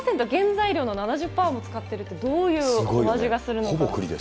私もくり７０％、原材料の７０パーも使っているって、どういうお味がするのか。